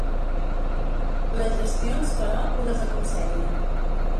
Les gestions, però, ho desaconsellen.